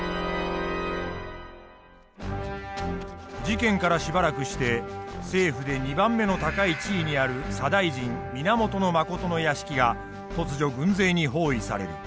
事件からしばらくして政府で２番目の高い地位にある左大臣源信の屋敷が突如軍勢に包囲される。